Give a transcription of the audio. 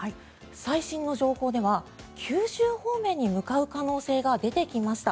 最新の情報では九州方面に向かう可能性が出てきました。